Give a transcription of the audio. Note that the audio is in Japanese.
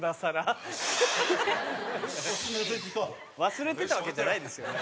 忘れてたわけじゃないですよね？